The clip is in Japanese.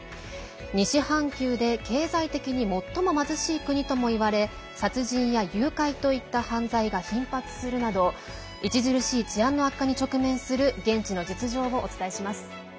西半球で経済的に最も貧しい国とも言われ殺人や誘拐といった犯罪が頻発するなど著しい治安の悪化に直面する現地の実情をお伝えします。